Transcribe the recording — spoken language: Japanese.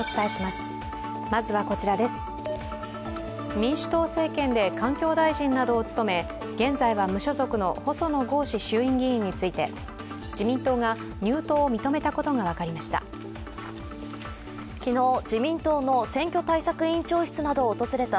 民主党政権で環境大臣などを務め、現在は無所属の細野豪志衆院議員について自民党が入党を認めたことが分かりました。